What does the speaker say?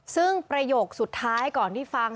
ซึ่งประโยคสุดท้ายก่อนที่ฟัง